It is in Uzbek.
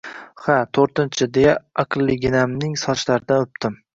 Ha, to`rtinchi, deya aqlliginamning sochlaridan o`pdim